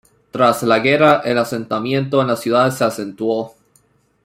Tras la guerra el asentamiento en las ciudades se acentuó.